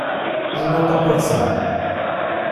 Je n’attends personne.